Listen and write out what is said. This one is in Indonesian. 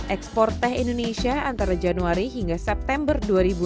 export teh indonesia antara januari hingga september dua ribu enam belas